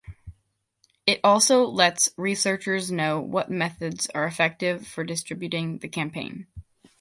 It also lets researchers know what methods are effective for distributing the campaign.